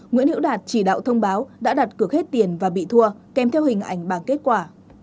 nguyễn hiễu đạt chỉ đạo thông báo đã đặt cược hết tiền và bị thua kèm theo hình ảnh bằng kết quả